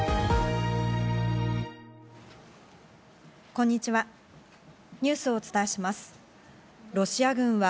こんにちは。